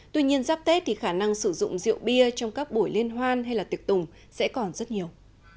tuy nhiên giáp tết thì khả năng sử dụng rượu bia trong các buổi liên hoan hay là tiệc tùng sẽ còn rất nhiều